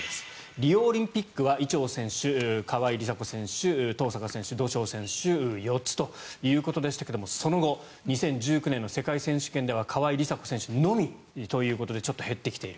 リオオリンピックは伊調選手、川井梨紗子選手登坂選手、土性選手４つということでしたけれどもその後２０１９年の世界選手権では川井梨紗子選手のみということでちょっと減ってきている。